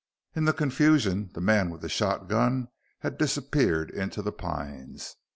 In the confusion, the man with the shotgun had disappeared into the pines.